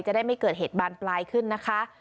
จะได้ไม่เกิดเหตุบานปลายขึ้นนะคะ